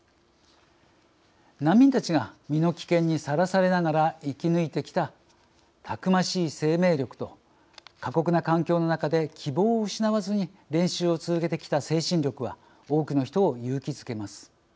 難民たちが身の危険にさらされながら生き抜いてきたたくましい生命力と過酷な環境の中で希望を失わずに練習を続けてきた精神力は多くの人を勇気づけます。